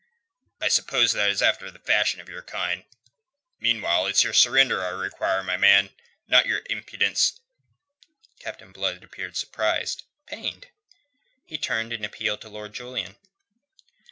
"I suppose that is after the fashion of your kind. Meanwhile it's your surrender I require, my man, not your impudence." Captain Blood appeared surprised, pained. He turned in appeal to Lord Julian.